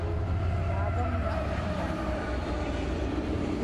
taavamna umiaq